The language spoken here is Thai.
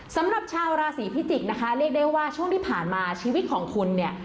สำหรับชาวราศีพิจิกษ์นะคะเรียกได้ว่าช่วงที่ผ่านมาชีวิตของคุณเนี่ย